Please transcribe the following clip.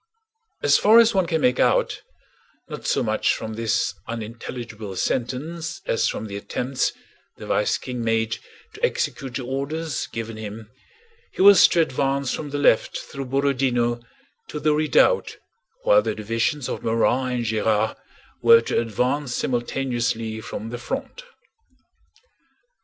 As far as one can make out, not so much from this unintelligible sentence as from the attempts the vice King made to execute the orders given him, he was to advance from the left through Borodinó to the redoubt while the divisions of Morand and Gérard were to advance simultaneously from the front.